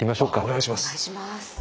お願いします。